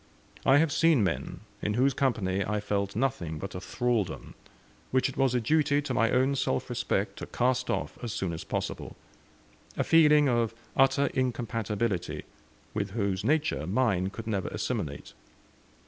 I have seen men, in whose company I felt nothing but a thraldom, which it was a duty to my own self respect to cast off as soon as possible; a feeling of utter incompatibility, with whose nature mine could never assimilate.